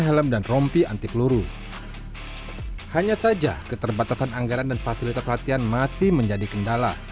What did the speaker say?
hanya saja keterbatasan anggaran dan fasilitas latihan masih menjadi kendala